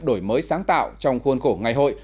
đổi mới sáng tạo trong khuôn khổ ngày hội